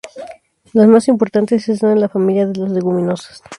Las más importantes están en la familia de las leguminosas.